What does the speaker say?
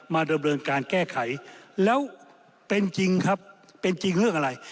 ดำเนินการแก้ไขแล้วเป็นจริงครับเป็นจริงเรื่องอะไร